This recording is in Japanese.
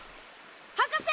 博士！